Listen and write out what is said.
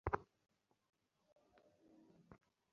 বাচ্চাটি অনেক মেধাবী।